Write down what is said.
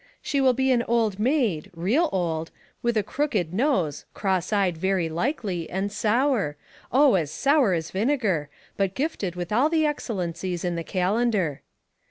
She will be an old maid — real old — with a crooked nose, cross eyed very likely, and sour — oh, as sour a3 vinegar, but gifted with all the excellencies in the calender."